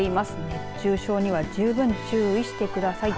熱中症には十分注意してください。